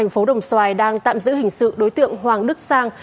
công an thành phố đồng xoài đang tạm giữ hình sự đối tượng hoàng đức sang